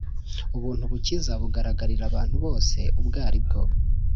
Ubuntu bukiza bugaragarira abantu bose ubwo ari bwo